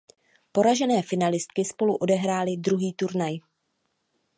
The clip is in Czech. Poražené finalistky spolu odehrály druhý turnaj.